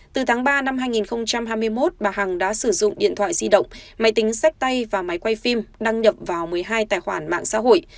từ tháng ba năm hai nghìn hai mươi một bà hằng đã sử dụng điện thoại di động máy tính sách tay và máy quay phim đăng nhập vào một mươi hai tài khoản mạng xã hội